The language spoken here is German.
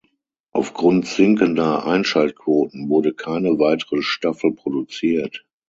Aufgrund sinkender Einschaltquoten wurde keine weitere Staffel produziert.